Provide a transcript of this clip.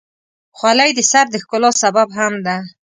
خولۍ د سر د ښکلا سبب هم ده.